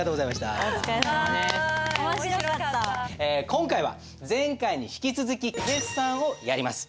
今回は前回に引き続き決算をやります。